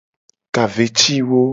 Ka ve ci wo.